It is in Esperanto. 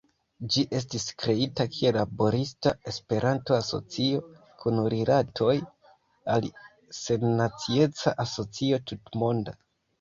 Ĝi estis kreita kiel Laborista Esperanto-Asocio, kun rilatoj al Sennacieca Asocio Tutmonda.